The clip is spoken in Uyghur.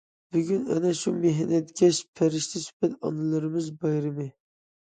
بۈگۈن ئەنە شۇ مېھنەتكەش، پەرىشتە سۈپەت ئانىلىرىمىز بايرىمى.